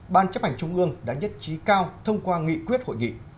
ban chấp hành trung ương đã nhất trí cao thông qua nghị quyết hội nghị